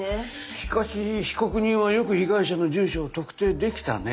しかし被告人はよく被害者の住所を特定できたね。